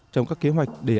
trong các kế hoạch đề án